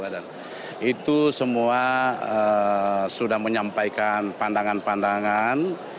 dan itu semua sudah menyampaikan pandangan pandangan